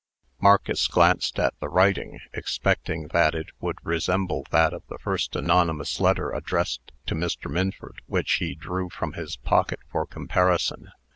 Marcus glanced at the writing, expecting that it would resemble that of the first anonymous letter addressed to Mr. Minford, which he drew from his pocket for comparison.